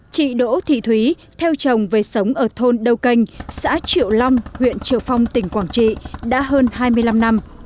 chị đỗ thị thúy theo chồng về sống ở thôn đầu canh xã triệu long huyện triệu phong tỉnh quảng trị đã hơn hai mươi năm năm